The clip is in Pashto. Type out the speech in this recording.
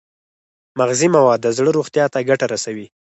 مغذي مواد د زړه روغتیا ته ګټه رسوي.